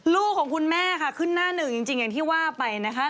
ลูกของคุณแม่ค่ะขึ้นหน้าหนึ่งจริงอย่างที่ว่าไปนะคะ